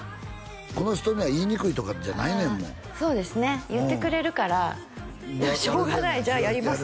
この人には言いにくいとかじゃないねんもんそうですね言ってくれるからしょうがないじゃあやります